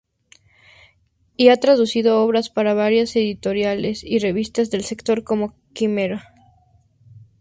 Y ha traducido obras para varias editoriales y revistas del sector, como "Quimera".